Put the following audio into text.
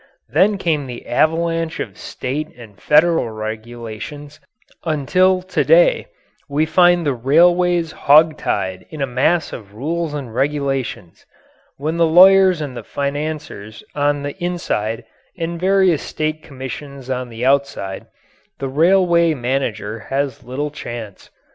Then came the avalanche of state and federal regulations, until to day we find the railways hog tied in a mass of rules and regulations. With the lawyers and the financiers on the inside and various state commissions on the outside, the railway manager has little chance.